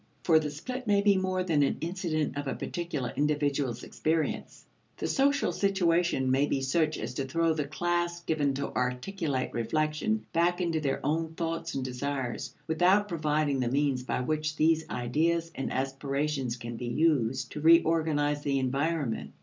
For the split may be more than an incident of a particular individual's experience. The social situation may be such as to throw the class given to articulate reflection back into their own thoughts and desires without providing the means by which these ideas and aspirations can be used to reorganize the environment.